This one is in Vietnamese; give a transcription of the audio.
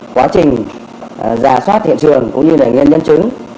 quá trình giả soát hiện trường cũng như là nghiên nhân chứng